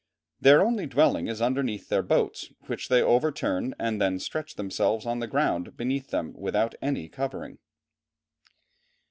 Their only dwelling is underneath their boats, which they overturn and then stretch themselves on the ground beneath them without any covering."